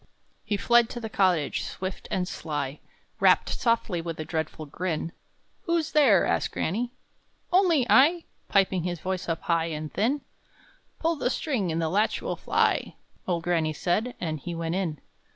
He fled to the cottage, swift and sly; Rapped softly, with a dreadful grin. "Who's there?" asked granny. "Only I!" Piping his voice up high and thin. "Pull the string, and the latch will fly!" Old granny said; and he went in.